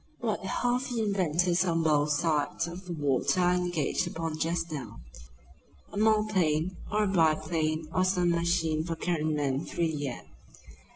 "What half the inventors on both sides of the water are engaged upon just now. A monoplane, or a biplane, or some machine for carrying men through the air.